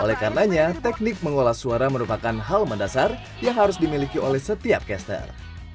oleh karenanya teknik mengolah suara merupakan hal mendasar yang harus dimiliki oleh setiap caster